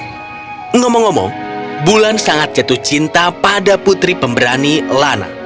tidak ngomong ngomong bulan sangat jatuh cinta pada putri pemberani lana